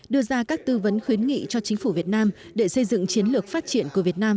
đưa ra các tư vấn khuyến nghị cho chính phủ việt nam để xây dựng chiến lược phát triển của việt nam